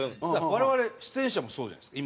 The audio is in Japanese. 我々出演者もそうじゃないですか。